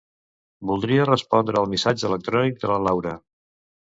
Voldria respondre al missatge electrònic de la Laura.